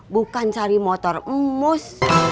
bukan cari motor emus